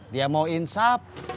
dia mau insap